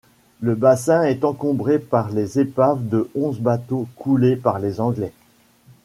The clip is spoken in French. Le bassin est encombré par les épaves de onze bateaux coulés par les Anglais.